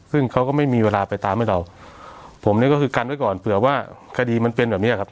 ซึ่งเขาก็ไม่มีเวลาไปตามให้เราผมเนี่ยก็คือกันไว้ก่อนเผื่อว่าคดีมันเป็นแบบเนี้ยครับ